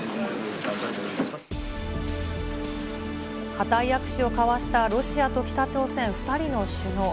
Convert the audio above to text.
固い握手を交わしたロシアと北朝鮮２人の首脳。